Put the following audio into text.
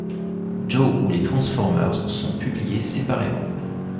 Joe ou les Transformers sont publiés séparément.